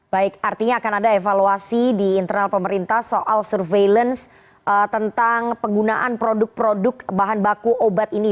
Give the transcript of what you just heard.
baik artinya akan ada evaluasi di internal pemerintah soal surveillance tentang penggunaan produk produk bahan baku obat ini